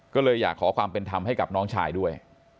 ก็เลยอยากขอความเป็นธรรมให้กับน้องชายด้วย